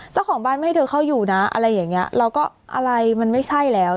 เจ้าของบ้านไม่ให้เธอเข้าอยู่นะอะไรอย่างเงี้ยเราก็อะไรมันไม่ใช่แล้ว